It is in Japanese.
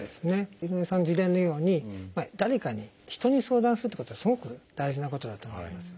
井上さんの事例のように誰かに人に相談するってことはすごく大事なことだと思います。